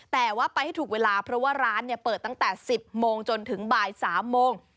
แต่ว่าไปให้ถูกเวลาเพราะว่าร้านเปิดตั้งแต่๑๐โมงจนถึงบ่าย๓โมง